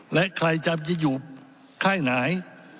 และใครจะอยู่ใครหน่าย